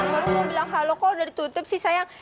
baru mau bilang halo kok udah ditutup sih saya